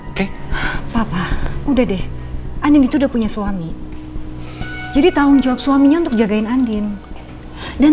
oke papa udah deh andin itu udah punya suami jadi tanggung jawab suaminya untuk jagain andin dan